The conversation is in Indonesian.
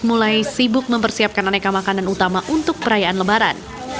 mulai sibuk mempersiapkan aneka makanan utama untuk perayaan lebaran